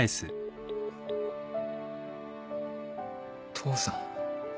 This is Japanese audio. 父さん。